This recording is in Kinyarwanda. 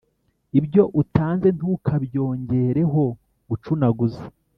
ibyo utanze ntukabyongereho gucunaguza.